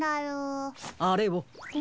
あれを。